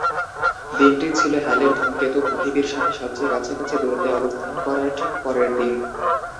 দিনটি ছিলো হ্যালির ধূমকেতু পৃথিবীর সাথে সবচে কাছাকাছি দূরত্বে অবস্থান করার ঠিক পরের দিন।